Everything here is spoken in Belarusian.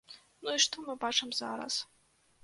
Ну і што мы бачым зараз?